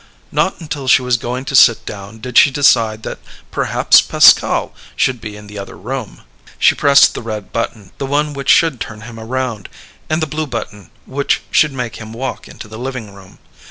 Not until she was going to sit down did she decide that perhaps Pascal should be in the other room. She pressed the red button, the one which should turn him around, and the blue button, which should make him walk into the living room.